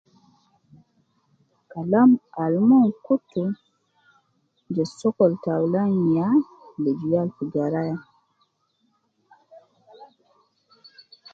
Kalam al mon kutu je sokol taulan ya liju gal fi garaya